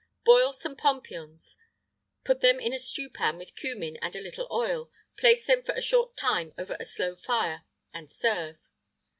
Boil some pompions, put them in a stewpan with cummin and a little oil; place them for a short time over a slow fire, and serve.